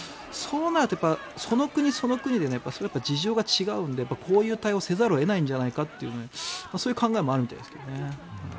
そうなるとその国その国で事情が違うんでこういう対応をせざるを得ないんじゃないかというそういう考えもあるみたいですけどね。